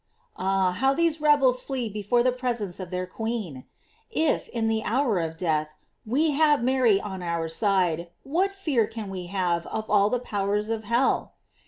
Ah, how these rebels flee before the presence of their queen! If, in the hour of death, we have Mary on our side, what fear can we have of all the powers of hell?